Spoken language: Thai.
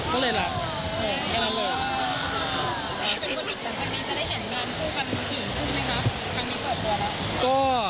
ก็เนี้ยแหละค่ะ